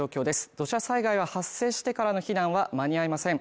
土砂災害が発生してからの避難は間に合いません。